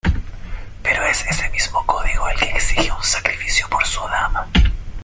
Pero es ese mismo código el que exige un sacrificio por su dama.